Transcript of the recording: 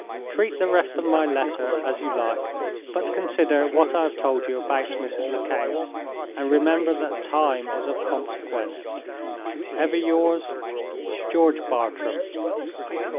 Treat the rest of my letter as you like, but consider what I have told you about Mrs. Lecount, and remember that time is of consequence. "Ever yours, "GEORGE BARTRAM."